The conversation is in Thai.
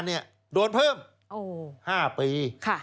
โอ้โฮโดนเพิ่ม๕ปี